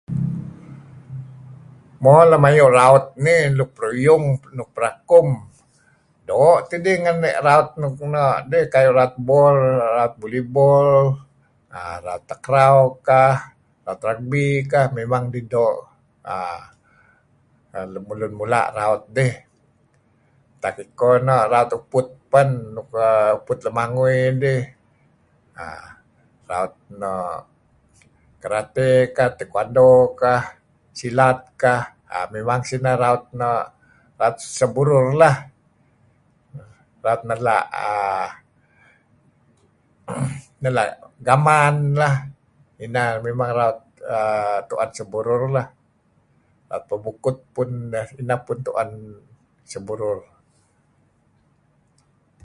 Mo lem ayu' raut nih luk peruyung luk perakum doo' tidih ngan raut nuk no'dih raut bol, raut volleyball, raut takraw kah, raut rugby kah memang dih doo' err lemulun mula' raut dih. Utak ikoh neh raut uput pen err nuk lemangui dih err raut no' kerate kah, taekwandoo kah, silat kah memang sineh raut no' sah burur lah. Raut nela' err nela' gaman lah ineh memang raut[err] tu'en sah burur lah, pebukut peh ineh tu'en sah burur.